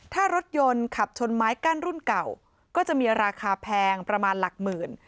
ถ้ารถยนต์ขับชนไม้กั้นรุ่นเก่าก็จะมีราคาแพงประมาณหลักหมื่น